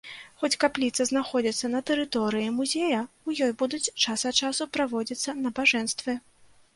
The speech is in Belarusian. Хоць капліца знаходзіцца на тэрыторыі музея, у ёй будуць час ад часу праводзіцца набажэнствы.